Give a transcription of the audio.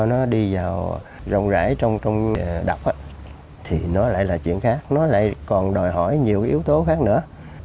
nó đi vào rộng rãi trong đọc thì nó lại là chuyện khác nó lại còn đòi hỏi nhiều cái yếu tố khác nữa